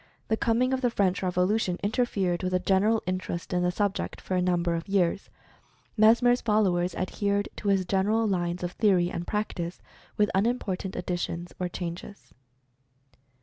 The coming of the French Revolution interfered with the general interest in the subject for a number of years. Mesmer's followers adhered to his general lines of theory and practice, with unimportant additions or changes.